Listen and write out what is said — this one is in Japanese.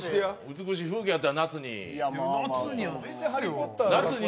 美しい風景やったやん、夏に。